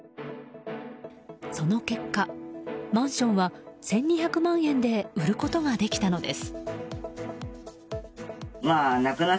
その結果、マンションは１２００万円で売ることができたのです。